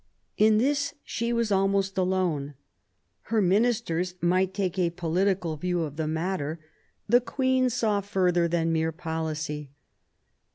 In this she was almost alone. Her ministers might take a political view of the matter; the Queen saw further than mere policy.